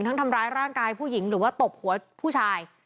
ทำร้ายร่างกายผู้หญิงหรือว่าตบหัวผู้ชาย